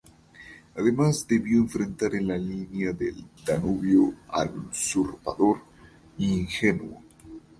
Además, debió enfrentar en la línea del Danubio al usurpador Ingenuo.